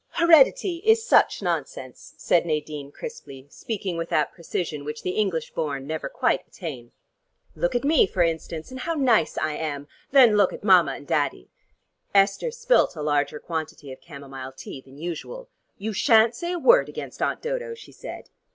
"Heredity is such nonsense," said Nadine crisply, speaking with that precision which the English born never quite attain. "Look at me, for instance, and how nice I am, then look at Mama and Daddy." Esther spilt a larger quantity of camomile tea than usual. "You shan't say a word against Aunt Dodo," she said.